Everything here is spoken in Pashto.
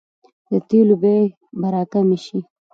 د تیلو بیې به راکمې شي؟